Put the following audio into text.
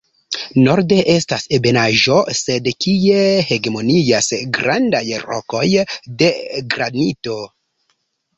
Norde estas ebenaĵo sed kie hegemonias grandaj rokoj de granito.